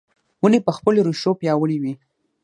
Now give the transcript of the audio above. ونې په خپلو رېښو پیاوړې وي .